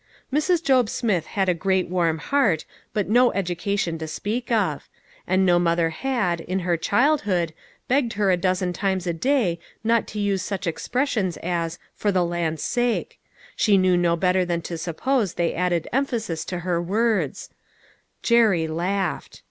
Mrs. Job Smith had a great warm heart, but no education to speak of ; and no mother had, in her childhood, begged her a dozen times a day not to use such expressions as "for the land's sake !" she knew no better than to suppose they added emphasis to her words ; Jerry laughed.